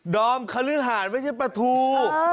ดอมคณิฮาลไม่ใช่ประทู